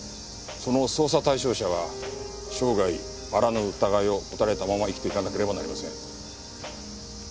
その捜査対象者は生涯あらぬ疑いを持たれたまま生きていかなければなりません。